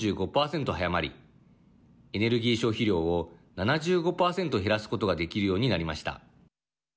速まりエネルギー消費量を７５％減らすことができるようになりました。